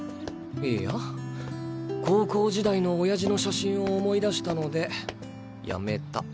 いや高校時代の親父の写真を思い出したのでやめた。